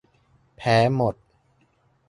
แพ้หมด